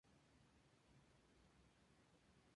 Es la sede de la Arquidiócesis de Oklahoma City.